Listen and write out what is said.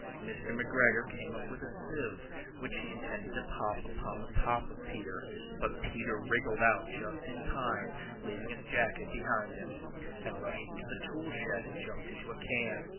Mr. McGregor came up with a sieve, which he intended to pop upon the top of Peter; but Peter wriggled out just in time, leaving his jacket behind him. And rushed into the toolshed, and jumped into a can.